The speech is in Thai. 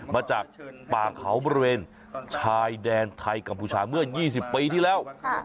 มาจากป่าเขาบริเวณชายแดนไทยกัมพูชาเมื่อ๒๐ปีที่แล้ว